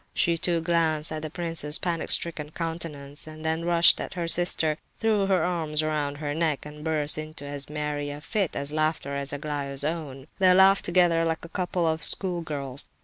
She, too, glanced at the prince's panic stricken countenance, then rushed at her sister, threw her arms round her neck, and burst into as merry a fit of laughter as Aglaya's own. They laughed together like a couple of school girls.